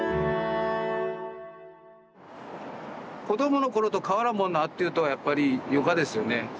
子供の頃と変わらんもんなっていうとやっぱりよかですよね。